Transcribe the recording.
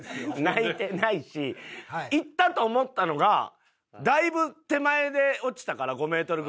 泣いてないしいったと思ったのがだいぶ手前で落ちたから５メートルぐらい。